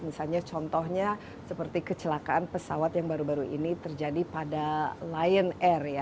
misalnya contohnya seperti kecelakaan pesawat yang baru baru ini terjadi pada lion air ya